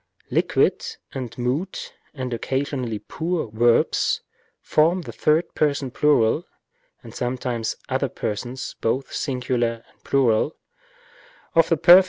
Liquid and mute (and occasionally pure) verbs form the third person plural (and sometimes other persons both singular and plural) of the perf.